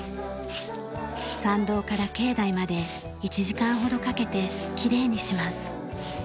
参道から境内まで１時間ほどかけてきれいにします。